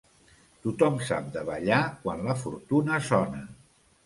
Tothom sap de ballar quan la fortuna sona.